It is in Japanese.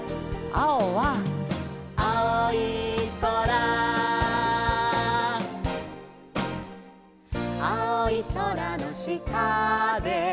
「あおいそら」「あおいそらのしたで」